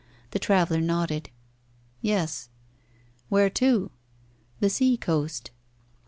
The traveller nodded. "Yes." "Where to?" "The sea coast."